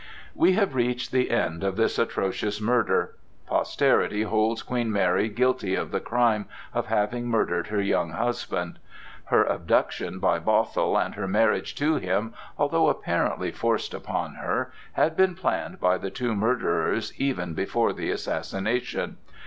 We have reached the end of this atrocious murder. Posterity holds Queen Mary guilty of the crime of having murdered her young husband. Her abduction by Bothwell and her marriage to him, although apparently forced upon her, had been planned by the two murderers even before the assassination.